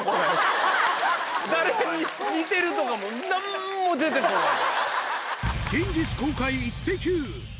誰に似てるとかも何も出てこない。